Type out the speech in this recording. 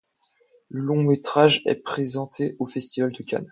Le long métrage est présenté au festival de Cannes.